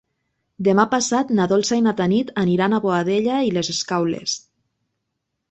Demà passat na Dolça i na Tanit aniran a Boadella i les Escaules.